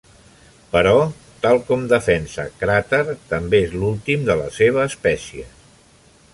Però, tal com defensa Crater, també és l'últim de la seva espècie.